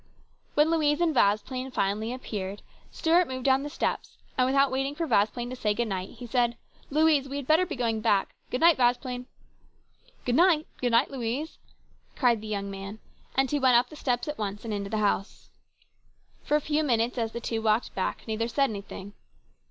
When Louise and Vasplaine finally appeared, Stuart moved down the steps, and without waiting for Vasplaine to say good night he said, " Louise, we had better be going back. Good night, Vasplaine." 216 DISAPPOINTMENT. 217 " Good night ! Good night, Louise," cried the young man ; and he went up the steps at once and into the house. For a few minutes, as the two walked back, neither said anything.